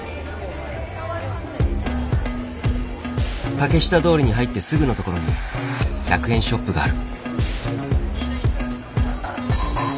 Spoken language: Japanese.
竹下通りに入ってすぐの所に１００円ショップがある。